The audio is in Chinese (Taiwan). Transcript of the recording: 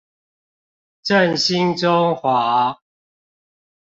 振興中華